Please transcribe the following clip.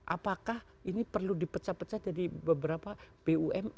apakah ini perlu dipecah pecah jadi beberapa bumn